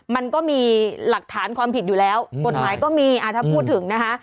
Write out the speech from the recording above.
มันก็มีหลักฐานความผิดอยู่แล้วกฎหมายก็มีถ้าพูดถึงนะคะ